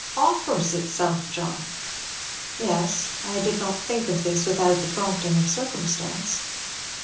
"Offers itself, John?" "Yes; I did not think of this without the prompting of circumstance.